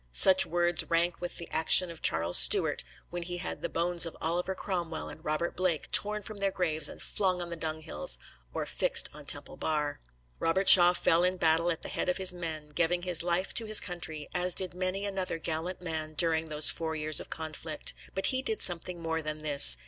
Such words rank with the action of Charles Stuart, when he had the bones of Oliver Cromwell and Robert Blake torn from their graves and flung on dunghills or fixed on Temple Bar. Robert Shaw fell in battle at the head of his men, giving his life to his country, as did many another gallant man during those four years of conflict. But he did something more than this.